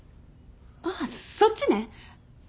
ああそっちね。